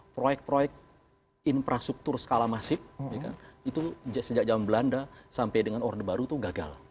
proyek proyek infrastruktur skala masif itu sejak zaman belanda sampai dengan orde baru itu gagal